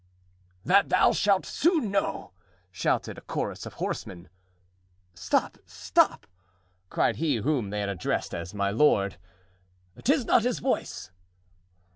"That thou shalt soon know," shouted a chorus of horsemen. "Stop, stop!" cried he whom they had addressed as "my lord;" "'tis not his voice."